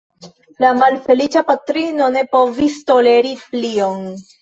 La malfeliĉa patrino ne povis toleri plion.